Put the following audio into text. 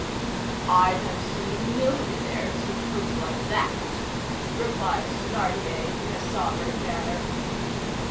"I have seen millionaires with coats like that," replied Thénardier, in a sovereign manner.